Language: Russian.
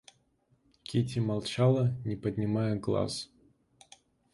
Кити молчала, не поднимая глаз.